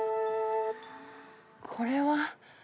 これは。